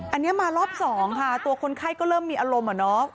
อันนี้มารอบสองค่ะตัวคนไข้ก็เริ่มมีอารมณ์อะเนาะ